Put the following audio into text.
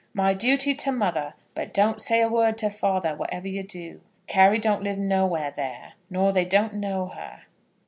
My duty to mother, but don't say a word to father, whatever you do. Carry don't live nowhere there, nor they don't know her.